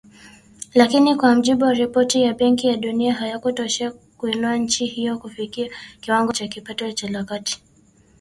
Lakini, kwa mujibu wa ripoti ya Benki ya Dunia, hayakutosha kuiinua nchi hiyo kufikia kiwango cha kipato la kati.